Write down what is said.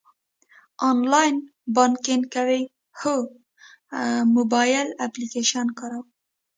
آنلاین بانکینګ کوئ؟ هو، موبایل اپلیکیشن کاروم